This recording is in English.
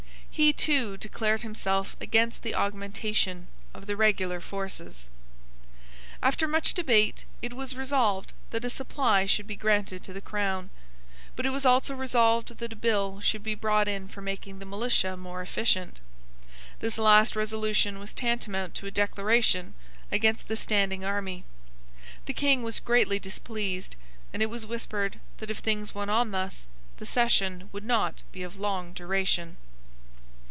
He, too, declared himself against the augmentation of the regular forces. After much debate, it was resolved that a supply should be granted to the crown; but it was also resolved that a bill should be brought in for making the militia more efficient. This last resolution was tantamount to a declaration against the standing army. The King was greatly displeased; and it was whispered that, if things went on thus, the session would not be of long duration.